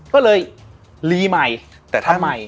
ก็เลยลีใหม่